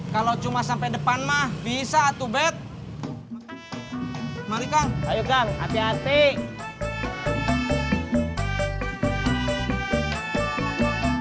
kalau cuma sampai depan enggak